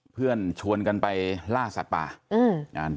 เพื่อนชวนกันไปล่าสัตว์ป่า